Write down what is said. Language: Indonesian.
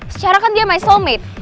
secara kan dia my soulmate